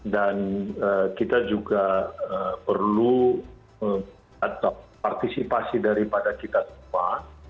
dan kita juga perlu atau partisipasi daripada kita semua